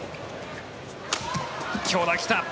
強打が来た。